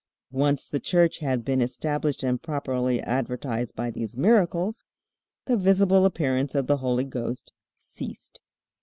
Once the Church had been established and properly advertised by these miracles, the visible appearance of the Holy Ghost ceased.